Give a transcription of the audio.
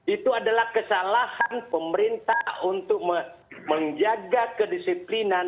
itu adalah kesalahan pemerintah untuk menjaga kedisiplinan